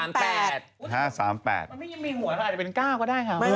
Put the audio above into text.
มันไม่มีสามก็ได้ค่ะ